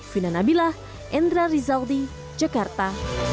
fina nabilah endra rizaudi jakarta